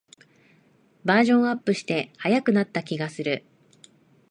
バージョンアップして速くなった気がする